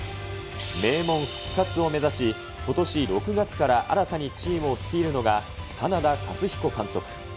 名門復活を目指し、ことし６月から新たにチームを率いるのが花田勝彦監督。